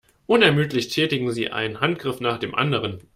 Unermüdlich tätigen sie einen Handgriff nach dem anderen.